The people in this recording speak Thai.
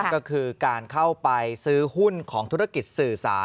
ก็คือการเข้าไปซื้อหุ้นของธุรกิจสื่อสาร